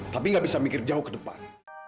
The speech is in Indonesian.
tapi gak bisa mikir jauh ke depan